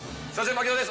槙野です。